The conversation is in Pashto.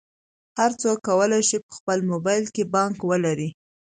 هر څوک کولی شي په خپل موبایل کې بانک ولري.